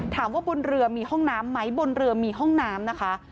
บนเรือมีห้องน้ำไหมบนเรือมีห้องน้ำนะคะ